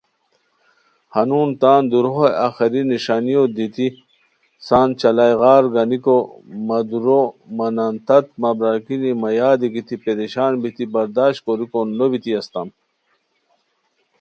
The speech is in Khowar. ہنون تان دورو ہے آخری نݰانیو دیتی سان چالائے غار انگیکو مہ ُ دور مہ نان تت مہ برارگینی مہ یادی گیتی پریشان بیتی برداشت کوریکو نو بیتی استام